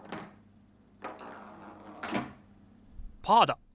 パーだ！